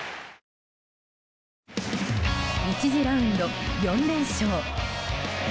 １次ラウンド４連勝。